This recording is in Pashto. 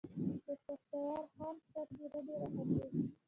د شهسوار خان سترګې رډې راوختې.